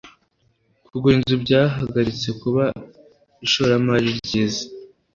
Kugura inzu byahagaritse kuba ishoramari ryiza.